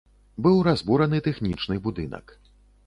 Быў разбураны тэхнічны будынак.